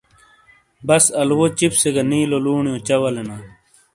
بس آلوؤو چپسے گہ نیلو لونیو چہ والینا ۔